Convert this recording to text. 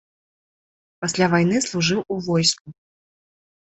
Пасля вайны служыў у войску.